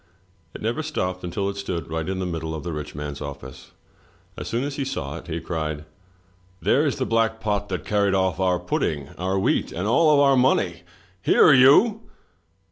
It never stopped until it stood right in the middle of the rich man's office. As soon as he saw it, he cried: "There is the black pot that carried off our pudding, our wheat, and all our money! — Here you!